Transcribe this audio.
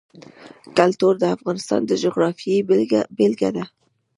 کلتور د افغانستان د جغرافیې بېلګه ده.